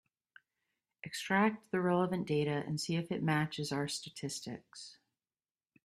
Extract the relevant data and see if it matches our statistics.